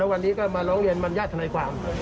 แล้ววันนี้ก็มาร้องเรียนมัญญาติธนายความ